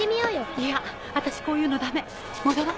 イヤ私こういうのダメ戻ろう。